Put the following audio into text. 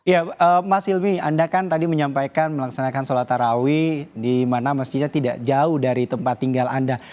ya mas ilmi anda kan tadi menyampaikan melaksanakan sholat tarawih di mana masjidnya tidak jauh dari tempat tinggal anda